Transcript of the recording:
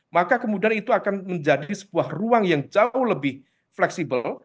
maka kemudian itu akan menjadi sebuah ruang yang jauh lebih fleksibel